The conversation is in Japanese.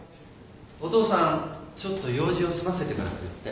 お父さんちょっと用事を済ませてから来るって。